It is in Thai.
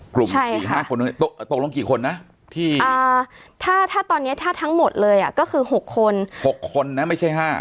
ใช่ค่ะตกลงกี่คนนะถ้าตอนนี้ถ้าทั้งหมดเลยก็คือหกคนหกคนนะไม่ใช่ห้า